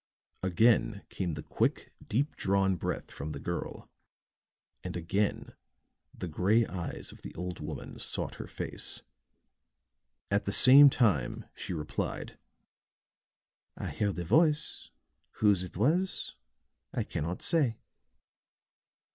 Again came the quick, deep drawn breath from the girl; and again the gray eyes of the old woman sought her face. At the same time she replied: "I heard a voice. Whose it was, I cannot say."